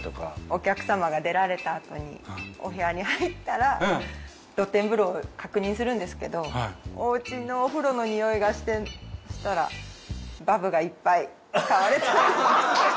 お客様が出られたあとにお部屋に入ったら露天風呂を確認するんですけどお家のお風呂のにおいがしてそしたらえっバブ！？